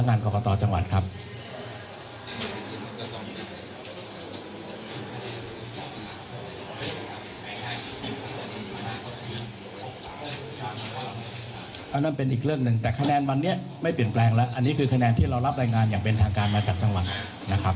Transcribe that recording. นั่นเป็นอีกเรื่องหนึ่งแต่คะแนนวันนี้ไม่เปลี่ยนแปลงแล้วอันนี้คือคะแนนที่เรารับรายงานอย่างเป็นทางการมาจากจังหวัดนะครับ